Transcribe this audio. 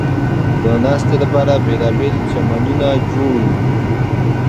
د ناستې لپاره بېلابېل چمنونه جوړ و.